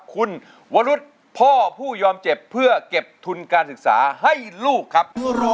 คุณวรุษพ่อผู้ยอมเจ็บเพื่อเก็บทุนการศึกษาให้ลูกครับ